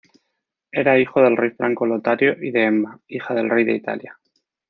Era hijo del rey franco Lotario y de Emma, hija del rey de Italia.